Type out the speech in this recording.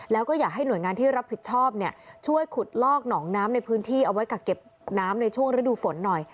แล้วก็อยากให้หน่วยงานที่รับผิดชอบช่วยขุดลอกหนองน้ำในพื้นที่เอาไว้กักเก็บน้ำในช่วงฤดูฝนหน่อย